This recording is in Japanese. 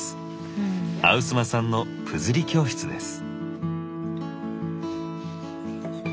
アウスマさんのプズリ教室です。